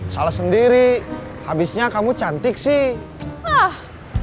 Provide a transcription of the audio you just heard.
salah sendiri habisnya kamu cantik sih